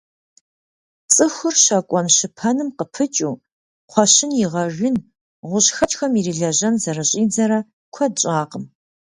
ЦӀыхур щэкӀуэн-щыпэным къыпыкӀыу, кхъуэщын игъэжын, гъущӀхэкӀхэм ирилэжьэн зэрыщӀидзэрэ куэд щӀакъым.